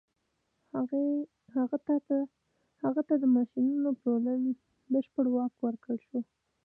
هغه ته د ماشينونو د پلورلو بشپړ واک ورکړل شو.